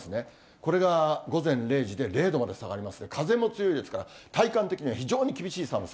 これが午前０時で０度まで下がりますと、風も強いですから、体感的には非常に厳しい寒さ。